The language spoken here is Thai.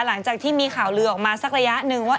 หลังจากที่มีข่าวลือออกมาสักระยะหนึ่งว่า